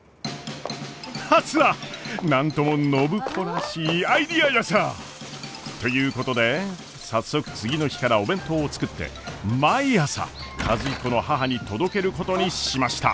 何とも暢子らしいアイデアヤサ！ということで早速次の日からお弁当を作って毎朝和彦の母に届けることにしました。